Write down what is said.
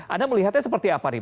anda melihatnya seperti apa nih